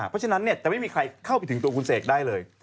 เพราะฉะนั้นจะไม่มีใครเข้าไปถึงตัวคุณเสกได้เลย